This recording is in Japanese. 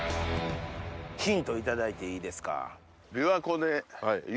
ヒント頂いていいですか？